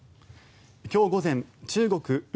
今日午前中国・内